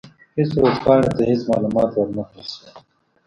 هېڅ ورځپاڼې ته هېڅ معلومات ور نه کړل شول.